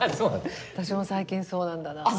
私も最近そうなんだなあ。